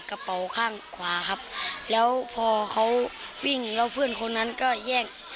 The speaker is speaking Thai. กระเป๋าข้างขวาครับแล้วพอเขาวิ่งแล้วเพื่อนคนนั้นก็แยก